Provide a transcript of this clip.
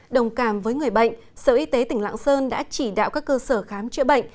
đồng cảm với người bệnh sở y tế tỉnh lạng sơn đã chỉ đạo các cơ sở khám chữa bệnh